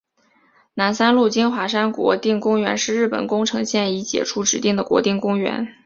南三陆金华山国定公园是日本宫城县已解除指定的国定公园。